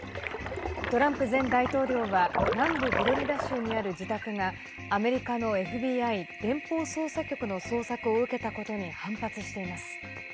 トランプ前大統領は南部フロリダ州にある自宅がアメリカのＦＢＩ＝連邦捜査局の捜索を受けたことに反発しています。